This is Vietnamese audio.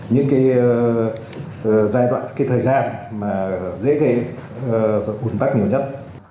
những cái giai đoạn cái thời gian mà dễ gây ủn tắc nhiều nhất